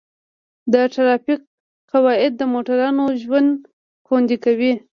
د ټرافیک قواعد د موټروانو ژوند خوندي کوي.